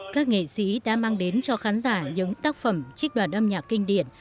các nghệ sĩ đã mang đến cho khán giả những tác phẩm trích đoàn âm nhạc kinh điển